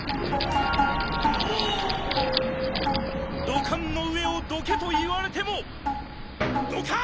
どかんの上をどけといわれてもどかん！